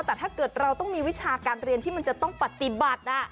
แต่ถ้าเกิดเราต้องมีวิชาการเรียนที่มันจะต้องปฏิบัติ